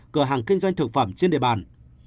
cửa hàng kinh doanh thực phẩm trên địa bàn